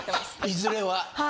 いずれは。